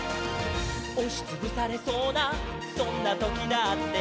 「おしつぶされそうなそんなときだって」